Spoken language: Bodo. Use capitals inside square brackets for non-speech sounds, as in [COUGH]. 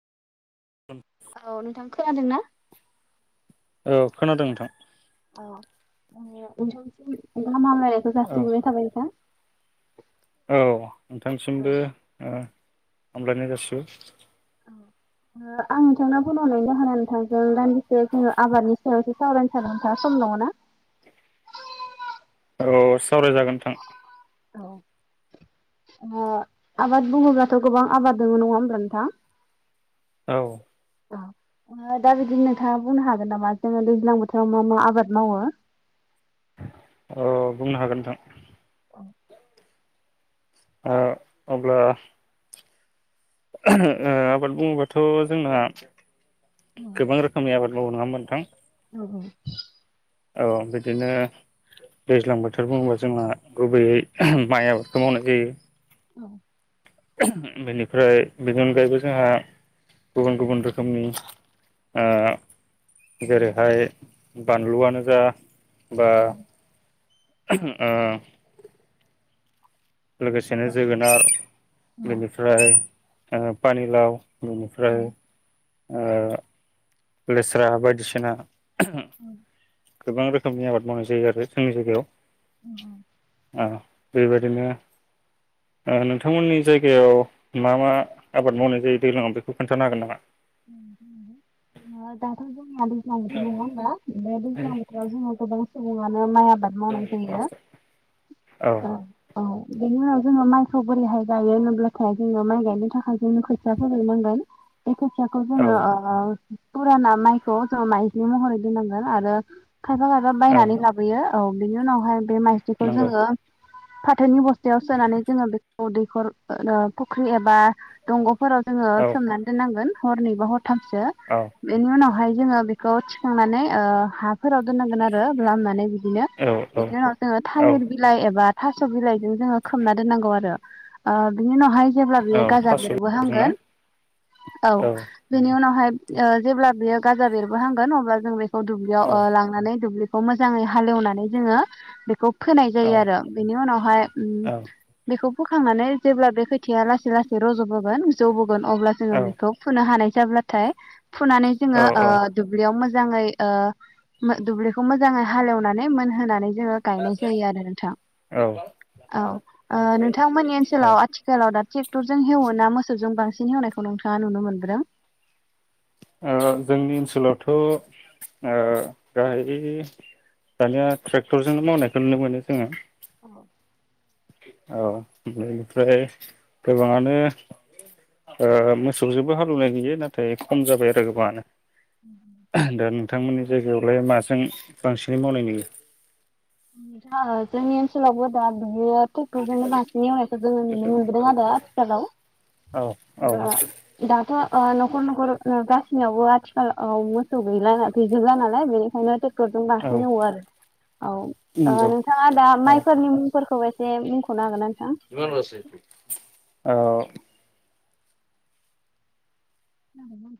[INAUDIBLE] औ नोंथां खोनादोंना? औ खोनादों नोंथां [UNINTELLIGIBLE] ना मामलायनायखौ औ जााससि मोनाय थाबाय नोंथां औ नोंथांसिमबो हामब्लायनाय जासिबाय आं नोंथाङाव फनाव नायनो होना नोंथांजों दान्दिसे जोङो आबादनि सेरायावसो सावरायनो सानो नोंथाङा सम दङ' ना औ सावरायजागोन नोंथां औ आबाद बुङोब्लाथ' गोबां आबाद दङ नङा होमब्ला नोंथां औ दा बिदिनो नोंथाङा बुंनो हागोन नामा जोङो दैज्लां बोथोराव मा मा आबाद मावो अ बुंनो हागोन नोंथां औ ओ अब्ला ओ आबाद बुङोबाथ' जोंना गोबां रोखोमनि आबाद मावो नङा होमबा नोथां औ औ बिदिनो दैज्लां बोथोर बुङोबा जोंहा गुबैयै माइ आबादखौ मावनाय जायो। औ बेनिफ्राय बेनि अनगायैबो जोंहा गुबुन गुबुन रोखोमनि ओ जेरैहाय बानलुआनो जा बा ओ लोगोसेनो जोगोनार बेनिफ्राय ओ पानिलाव बेनिफ्राय ओ लेस्रा बायदिसिना [INAUDIBLE] गोबां रोखोमनि आबाद मावनाय जायो आरो जोंनि जायगायाव। [INAUDIBLE] ओ बेबायादिनो ओ नोंथांमोननि जायगायाव मा मा आबाद मावनाय जायो दैज्लांव बेखौ खोन्थानो हागोन नामा? [UNINTELLIGIBLE] दा जोंहा दैज्लां बोथोर नङा होनोमबा। बे दैज्लां बोथोर आव जोंहा गोबां सुबुङानो माइ माइ आबाद मावनाय जायो। औ औ बेनि उनाव जोङो माइखौ बोरैहाय गायो होनोब्लाथाय जोङो माइ गायनो थाखाय जोंङो खोथिया फोनोनांगोन। थाखौ औ जोंङो ओ फुराना माइखौ जों माइग्लिमहरै दोननांगोन आरो खायफा खायफा औ बायनानै लाबोयो। औ बिनो नावहाय बे माइज्लिखौ नंगौ जोंङो फाथोनि बस थोयाव सोनानै जोंङो बे अ दैखर ओ फुख्रि ए बा दंग' फोराव जोंङो औ सोमनानै दोननांगोन। हरनै बा हर थामसो औ बेनि उनावहाय जोंङो बेखौ थिखांनानै ओ हा फोराव दोननांगोन आरो लामनानै दिनो औ बिनि औ उनाव जोंङो औ थालिर बिलाइ एबा थास' बिलाइजों जोंङो खोमना दोननांगौ आरो ओ बिनि उनाव हाय जेब्ला औ बेयो गाजा थास' ना बेरबोहांगोन औ बेनि उनावहाय ओ जेब्ला बियो गाजा बेरबोहांगोन अब्ला जों बे ओ दुब्लियाव औ औ ओ लांनानै दुब्लि खौ मोजांङै हालेवनानै जोंङो बेखौ फोनाय औ जायो आरो, बेनि उनावहाय ओम बेखौ फोखांनानै जेब्ला बे खोथाया लासै लासै रज'बोगोन जौबो गोन अब्ला जोंङो औ बेखौ हानाय जाब्लाथाय फुनानै जोंङो ओ औ औ दुब्लियाव मो जांङै ओ मो दुब्लिखौ मोजांङै हालेवनानै मोनहोनानै जोंङो गायनाय जायो आरो नोंथां। औ ओ नोंथांमोननि ओनसोलाव आथिखालाव दा थिब टरजों हेवो ना मोसौजों बांसिन हेवनायखौ नोंथांङा नुनो मोन बोदों? ओ जोंनि ओनसोलावथ ओ गाहायै दानिया ट्रेक्टरजोंनो मावनायखौ नुनो मोनो जोंङो। अ ओ बेनिफ्राय गोबांङानो ओ मोसौजोंबो हालेवनाय नुयो नाथाय खम जाबाय आरो गोबांङानो। दा नोंथांमोननि जायगायावलाय माजों बांसिनै मावनाय नुङो? [UNINTELLIGIBLE] जोंनि ओनसोलावबो दा बियो ट्रेक्टरजोंनो बांसिननि एवनायखौ जोंङो नुनो मोनबोदों आरो आथिखालाव, औ औ ओ दाथ ओ नखर नखर नो गासैनावबो आथिखाल ओ मोसौ गैला गैजोला नालाय बेनिखायनो टेक टरजों औ बांसिन एवो आरो औ। ओ नंगौ नोंथाङा दा औ माइफोरनि मुंफोरखौ एसे मुंख'नो हागोनना औ। [INAUDIBLE]